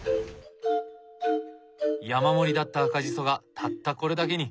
山盛りだった赤じそがたったこれだけに。